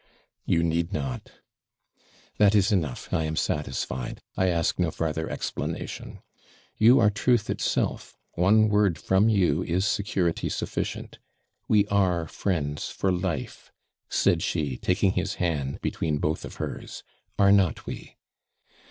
'You need not.' 'That is enough I am satisfied I ask no farther explanation. You are truth itself one word from you is security sufficient. We are friends for life,' said she, taking his hand between both of hers; 'are not we?'